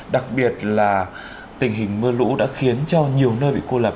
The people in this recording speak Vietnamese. đặc biệt là tình hình mưa lũ đã khiến cho nhiều nơi bị cô lập